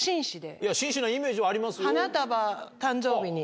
紳士のイメージはありますよ。